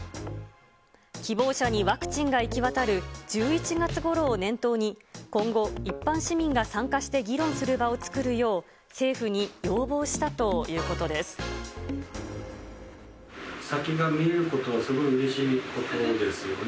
希望者にワクチンが行き渡る１１月ごろを念頭に、今後、一般市民が参加して議論する場を作るよう、政府に要望したという先が見えることはすごいうれしいことですよね。